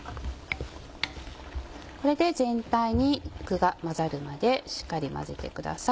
これで全体に具が混ざるまでしっかり混ぜてください。